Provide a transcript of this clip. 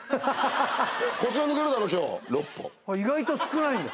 意外と少ないんだ。